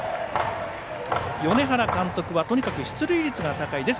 米原監督はとにかく出塁率が高い。